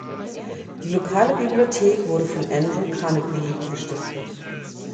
Die lokale Bibliothek wurde von Andrew Carnegie gestiftet.